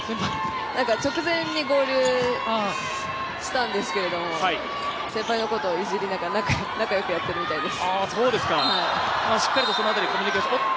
直前に合流したんですけど先輩のことをいじりながら仲良くやってるみたいです。